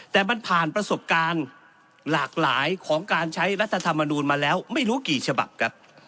แต่มันผ่านประสบการณ์หลากหลายของการใช้รัฐธรรมนูลมาแล้วไม่รู้กี่ฉบับครับ